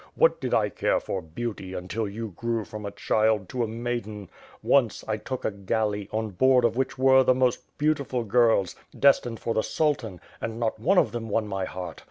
What did I care for beauty until you grew from a child to a maiden! Once, I took a galley, on board of which were the most beautiful girls, destined for the Sultan; and not one of them won my heart!